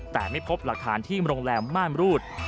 แต่ไม่พบหลักฐานที่โรงแรมม่านรูด